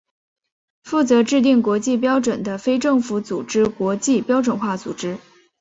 负责制定国际标准的非政府组织国际标准化组织。